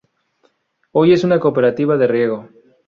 Hoy es una cooperativa de riego.